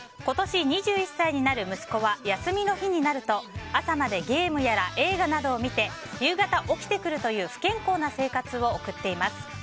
今年２１歳になる息子は休みの日になると朝までゲームやら映画などを見て夕方起きてくるという不健康な生活を送っています。